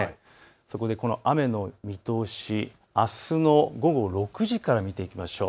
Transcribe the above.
そこでこの雨の見通し、あすの午後６時から見ていきましょう。